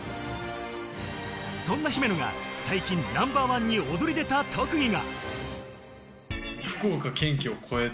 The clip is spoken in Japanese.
そんな姫野が最近ナンバーワンに躍り出た特技が。